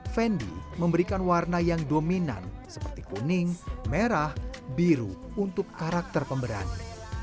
fendi memberikan warna yang dominan seperti kuning merah biru untuk karakter pemberani